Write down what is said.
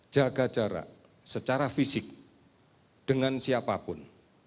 jaga jarak secara fisik dengan siapapun